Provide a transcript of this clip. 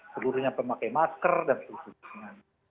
seluruhnya pemakai masker dan sebagainya